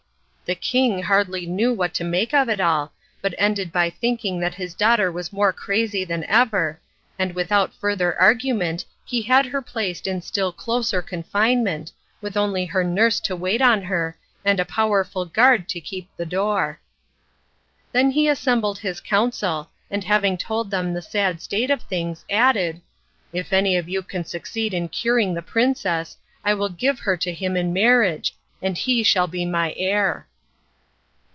The king hardly knew what to make of it all, but ended by thinking that his daughter was more crazy than ever, and without further argument he had her placed in still closer confinement, with only her nurse to wait on her and a powerful guard to keep the door. Then he assembled his council, and having told them the sad state of things, added: "If any of you can succeed in curing the princess, I will give her to him in marriage, and he shall be my heir."